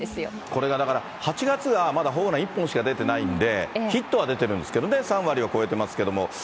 これがだから８月がまだホームラン一本しか出てないんで、ヒットは出てるんですけどね、３割は超えてますけれども。